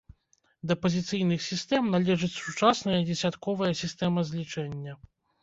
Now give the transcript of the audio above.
Да пазіцыйных сістэм належыць сучасная дзесятковая сістэма злічэння.